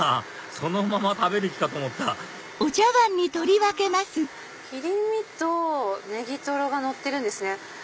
そのまま食べる気かと思った切り身とネギトロがのってるんですね。